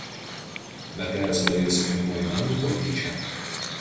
Mergelės Marijos Ėmimo į dangų koplyčia.